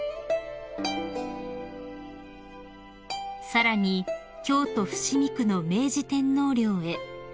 ［さらに京都伏見区の明治天皇陵へ］